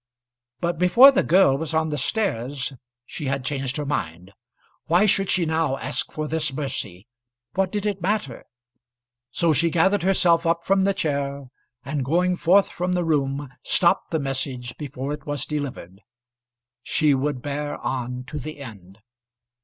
But before the girl was on the stairs she had changed her mind. Why should she now ask for this mercy? What did it matter? So she gathered herself up from the chair, and going forth from the room, stopped the message before it was delivered. She would bear on to the end.